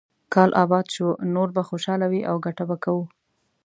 کال اباد شو، نور به خوشاله وي او ګټه به کوو.